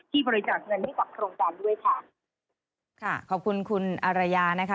บริจาคเงินให้กับโครงการด้วยค่ะค่ะขอบคุณคุณอารยานะคะ